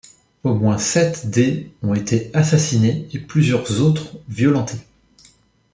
Au moins sept des ont été assassinés et plusieurs autres violentés.